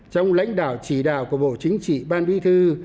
trong lãnh đạo chỉ đạo của bộ chính trị ban bí thư